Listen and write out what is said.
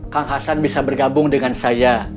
kang hasan bisa bergabung dengan saya